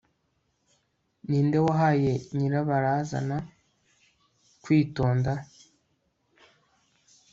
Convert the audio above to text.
ni nde wahaye nyirabarazana kwitonda